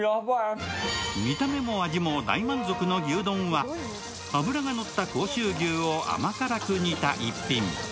見た目も味も大満足な牛丼は脂が乗った甲州牛を甘辛く煮た一品。